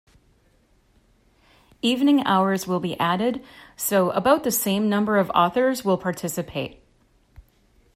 Evening hours will be added so about the same number of authors will participate.